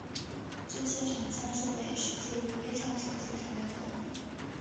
这些成像设备使介入微创手术成为可能。